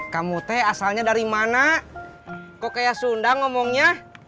kamu teh asalnya dari mana kok kayak sunda ngomongnya